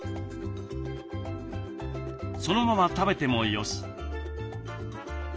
そのまま食べてもよし。